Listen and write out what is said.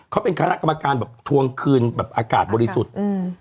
เขาเป็นคณะกรรมการทวงคืนอากาศบริสุทธิ์